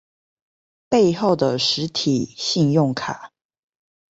背後的實體信用卡